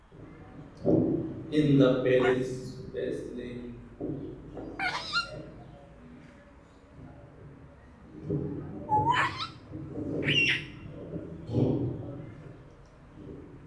In the Paris Basin the "Calcaire grossier" lies upon the same geological horizon.